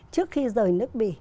trước khi rời nước bỉ